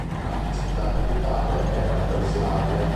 La città capitale era Breslavia.